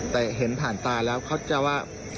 แต่เห็นผ่านตาแล้วเขาจะว่า